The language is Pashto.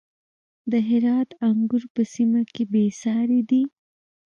د هرات انګور په سیمه کې بې ساري دي.